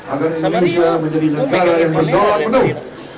agar indonesia menjadi negara yang berdoa penuh